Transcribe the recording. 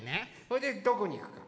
それでどこにいくか。